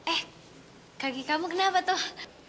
eh kaki kamu kenapa tuh